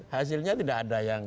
hasilnya tidak ada yang